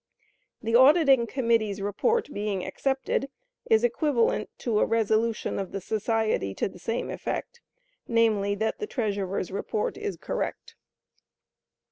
The auditing committee's report being accepted is equivalent to a resolution of the society to the same effect, namely, that the treasurer's report is correct.